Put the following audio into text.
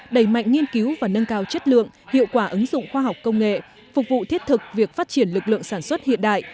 đẩy mạnh nghiên cứu và nâng cao chất lượng hiệu quả ứng dụng khoa học công nghệ phục vụ thiết thực việc phát triển lực lượng sản xuất hiện đại